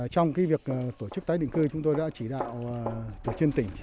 trong việc tổ chức tái định cư chúng tôi đã chỉ đạo tổ chức tiên tỉnh